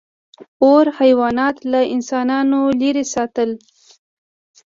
• اور حیوانات له انسانانو لرې ساتل.